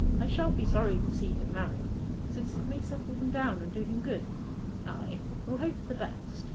I shan't be sorry to see him marry, since it may settle him down and do him good.... Ay, we'll hope for the best.